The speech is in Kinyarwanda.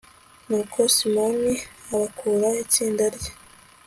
nuko simoni abakura itsinda rye